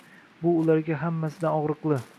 Bu ularga hammasidan og‘riqli.